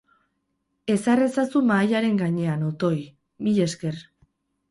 Ezar ezazu mahainaren gainean, otoi. Milesker.